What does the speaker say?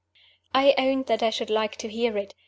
I owned that I should like to hear it.